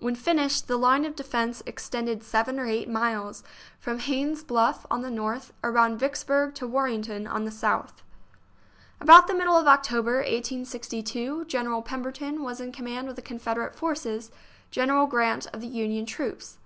When finished, the line of defence extended seven or eight miles, from Haynes's Bluff, on the north, around Vicks burg to Warrenton, on the south. About the middle of October, 1862, General Pemberton was in command of the Confederate forces, General Grant of the Union troops.